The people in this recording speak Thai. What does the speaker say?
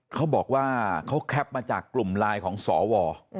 เขาบอกว่าเขาแคปมาจากกลุ่มไลน์ของสว